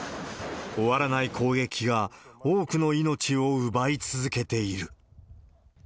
終わらない攻撃が多くの命を奪い続けている。